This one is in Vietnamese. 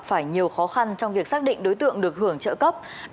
phải nhiều khó khăn trong việc xác định đối tượng được hưởng trợ cấp